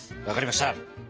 わかりました。